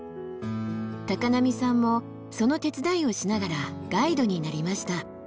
波さんもその手伝いをしながらガイドになりました。